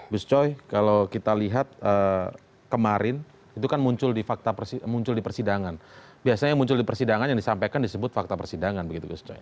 gus coy kalau kita lihat kemarin itu kan muncul di persidangan biasanya yang muncul di persidangan yang disampaikan disebut fakta persidangan begitu gus coy